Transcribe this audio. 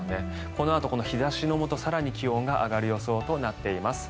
このあと日差しのもと更に気温が上がる予想となっています。